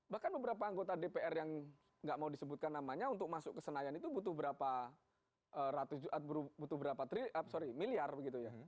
bahkan beberapa anggota dpr yang nggak mau disebutkan namanya untuk masuk ke senayan itu butuh berapa ratus butuh berapa sorry miliar begitu ya